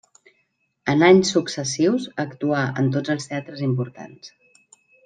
En anys successius actuà en tots els teatres importants.